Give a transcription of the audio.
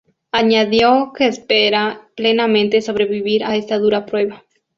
Añadió que espera plenamente sobrevivir a esta dura prueba.